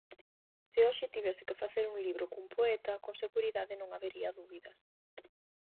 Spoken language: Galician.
Se hoxe tivese que facer un libro cun poeta, con seguridade non habería dúbidas.